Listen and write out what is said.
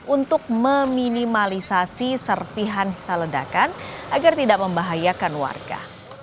untuk meminimalisasi serpihan sisa ledakan agar tidak membahayakan warga